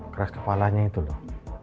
keras kepalanya itu loh